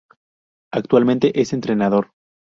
Actualmente es entrenador